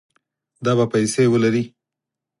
دا به پیسې ولري